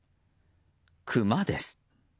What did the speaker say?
クマです。